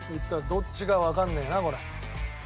どっちかわかんねえなこれ。